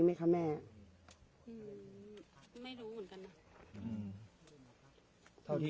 ไม่รู้เหมือนกันนะ